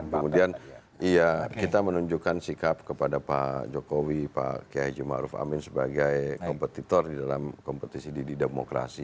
kemudian kita menunjukkan sikap kepada pak jokowi pak kiai jumaruf amin sebagai kompetitor di dalam kompetisi didemokrasi